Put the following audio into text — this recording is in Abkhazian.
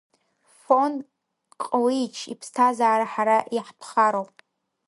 Фон-Ҟлыич иԥсҭазаара ҳара иаҳтәхароуп…